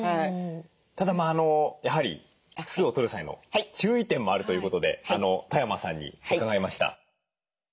ただやはり酢をとる際の注意点もあるということで多山さんに伺いました。